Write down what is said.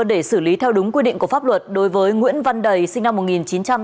để xử lý theo đúng quy định của pháp luật đối với nguyễn văn đầy sinh năm một nghìn chín trăm tám mươi